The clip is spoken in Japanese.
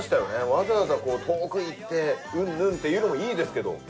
わざわざ遠く行ってうんぬんっていうのもいいですけど。